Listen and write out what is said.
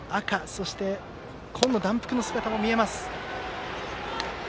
そして紺の団服の姿も見えます。